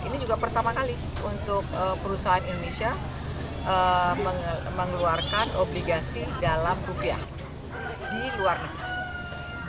ini juga pertama kali untuk perusahaan indonesia mengeluarkan obligasi dalam rupiah di luar negeri